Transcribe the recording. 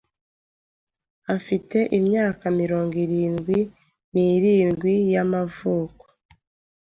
afite imyaka mirongo irindwi nirindwi y'amavuko